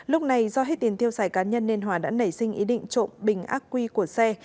lúc này do hết tiền tiêu xài cá nhân nên hòa đã nảy sinh ý định trộm bình ác quy của xe